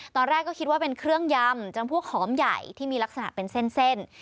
ตอนแรกก็คิดว่าเป็นเครื่องยำจำพวกหอมใหญ่ที่มีลักษณะเป็นเส้น